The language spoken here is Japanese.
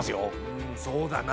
うんそうだな。